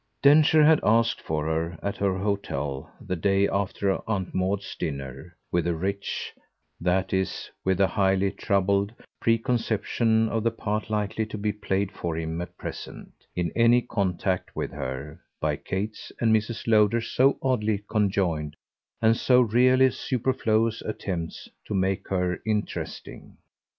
Densher had asked for her, at her hotel, the day after Aunt Maud's dinner, with a rich, that is with a highly troubled, preconception of the part likely to be played for him at present, in any contact with her, by Kate's and Mrs. Lowder's so oddly conjoined and so really superfluous attempts to make her interesting.